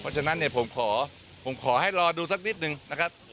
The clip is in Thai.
เพราะฉะนั้นเนี่ยผมขอผมขอให้รอดูสักนิดนึงนะครับ